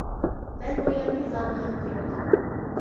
مەن بۇ يەرنى زادى يات كۆرمىدىم.